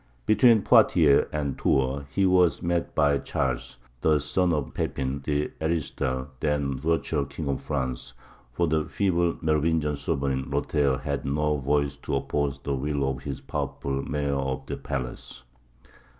Between Poictiers and Tours he was met by Charles, the son of Pepin the Heristal, then virtual King of France, for the feeble Merovingian sovereign, Lothair, had no voice to oppose the will of his powerful Mayor of the Palace.